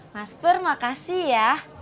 mas pur makasih ya